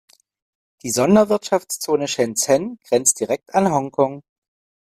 Die Sonderwirtschaftszone Shenzhen grenzt direkt an Hongkong.